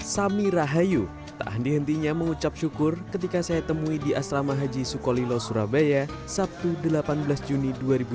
sami rahayu tak henti hentinya mengucap syukur ketika saya temui di asrama haji sukolilo surabaya sabtu delapan belas juni dua ribu dua puluh